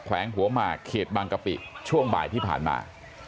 วงหัวหมากเขตบางกะปิช่วงบ่ายที่ผ่านมา